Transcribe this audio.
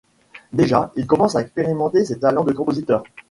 Déjà, il commence à exprimer ses talents de compositeur.